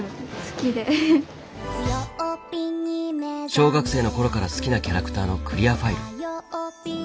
小学生のころから好きなキャラクターのクリアファイル。